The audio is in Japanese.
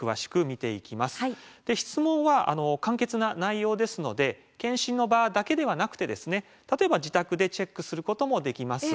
質問は簡潔な内容ですので健診の場だけではなくて例えば自宅でチェックすることもできます。